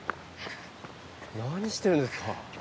何してるんですか？